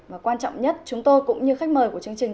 và quan trọng nhất chúng tôi cũng như khách mời của chương trình